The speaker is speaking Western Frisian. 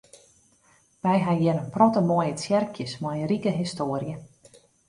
Wy ha hjir in protte moaie tsjerkjes mei in rike histoarje.